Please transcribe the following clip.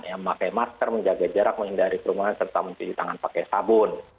memakai masker menjaga jarak menghindari kerumunan serta mencuci tangan pakai sabun